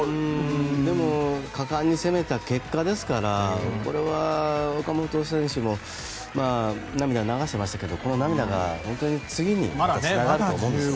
でも果敢に攻めた結果ですからこれは岡本選手も涙を流していましたけどこの涙が次につながると思うんですね。